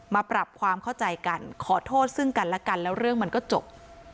ปรับความเข้าใจกันขอโทษซึ่งกันและกันแล้วเรื่องมันก็จบ